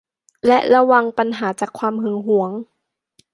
และระวังปัญหาจากความหึงหวง